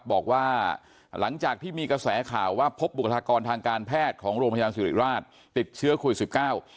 บอกว่าหลังจากที่มีกระแสข่าวว่าพบบุคลากรทางการแพทย์ของโรงพยาบาลสิริราชติดเชื้อโควิดสิบเก้า